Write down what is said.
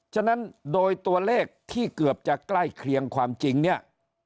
ทำให้ตัวเลขที่กับจะใกล้เคลียงความจริงเนี่ย